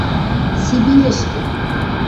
Сибирьӹшкӹ!..